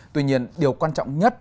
tuy nhiên điều quan trọng nhất